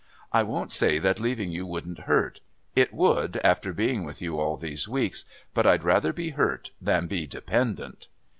I won't say that leaving you wouldn't hurt. It would, after being with you all these weeks; but I'd rather be hurt than be dependent."